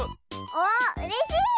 おっうれしい！